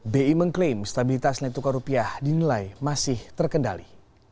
bi mengklaim stabilitas nilai tukar rupiah dinilai masih terkendali